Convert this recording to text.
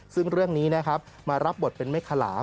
ซึ่งเรื่องนี้นะครับมารับบทเป็นเมฆขลา